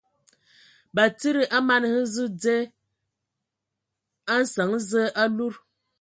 Batsidi a mana hm sɔ dzyē a nsəŋ Zǝə a ludǝtu.